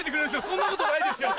そんなことないですから。